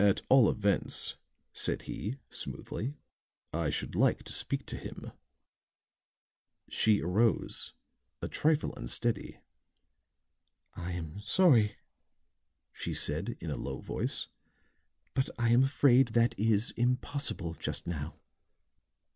"At all events," said he, smoothly, "I should like to speak to him." She arose a trifle unsteady. "I am sorry," she said in a low voice, "but I am afraid that is impossible, just now."